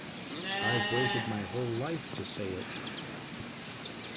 I've waited my whole life to say it!